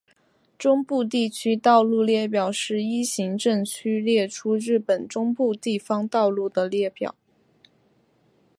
中部地方道路列表是依行政区列出日本中部地方道路的列表。